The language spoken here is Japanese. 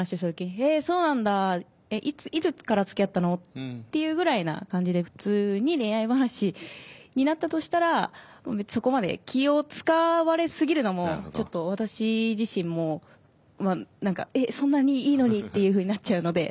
いつからつきあったの？」っていうぐらいな感じで普通に恋愛話になったとしたらそこまで気を遣われすぎるのもちょっと私自身もえっそんなにいいのにっていうふうになっちゃうので。